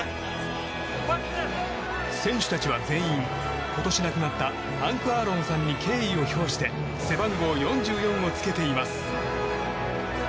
選手たちは全員今年亡くなったハンク・アーロンさんに敬意を表して背番号４４をつけています。